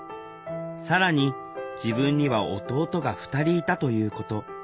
更に自分には弟が２人いたということ。